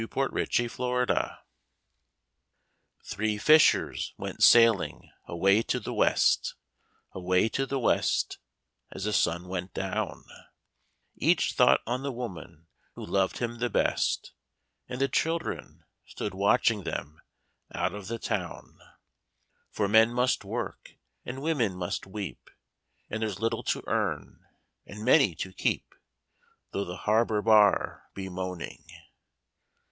THE THREE FISHERS Three fishers went sailing away to the West, Away to the West as the sun went down; Each thought on the woman who loved him the best, And the children stood watching them out of the town; For men must work, and women must weep, And there's little to earn, and many to keep, Though the harbour bar be moaning.